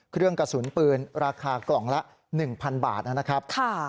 เครื่องกระสุนปืนราคากล่องละ๑๐๐บาทนะครับ